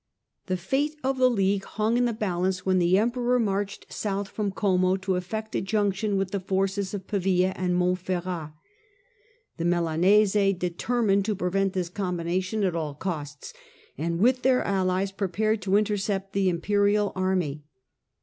The fate of the League hung in the balance when the Emperor marched south from Como to effect a junction with the forces of Pavia and Montferrat. The Milanese determined to prevent this combination at all costs, and, with their allies, prepared to intercept the imperial army.